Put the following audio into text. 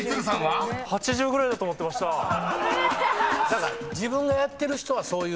何か自分がやってる人はそういうふうに思うよね。